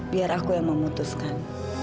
biar aku yang memutuskan